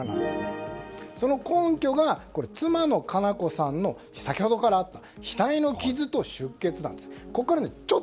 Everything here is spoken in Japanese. その根拠が、妻の佳菜子さんの先ほどからあった額の傷と出血なんです。